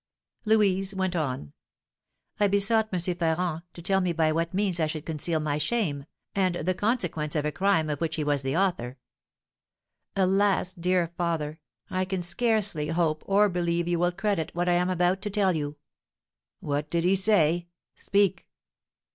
Louise went on. "I besought M. Ferrand to tell me by what means I should conceal my shame, and the consequence of a crime of which he was the author. Alas, dear father, I can scarcely hope or believe you will credit what I am about to tell you." "What did he say? Speak."